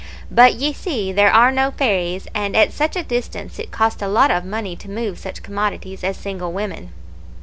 But ye see there are no fairies; and at such a distance, it costs a lot of money to move such commodities as single women.